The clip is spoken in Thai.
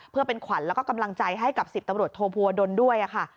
เพื่อเป็นขวัญแล้วก็กำลังใจให้กับ๑๐ตำรวจโทภัวดลด้วยค่ะ